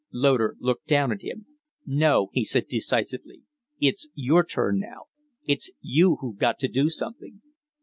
Loder looked down at him. "No," he said, decisively. "It's your turn now. It's you who've got to do something."